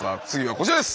こちらです！